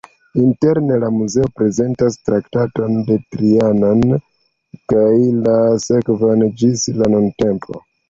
Interne la muzeo prezentas Traktaton de Trianon kaj la sekvojn ĝis la nuntempo.